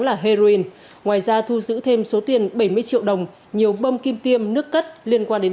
là heroin ngoài ra thu giữ thêm số tiền bảy mươi triệu đồng nhiều bơm kim tiêm nước cất liên quan đến